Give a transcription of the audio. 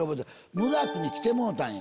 「無学」に来てもろうたんよ